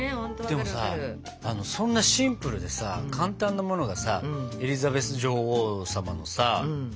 でもさそんなシンプルでさ簡単なものがさエリザベス女王様のさ好物なんでしょう？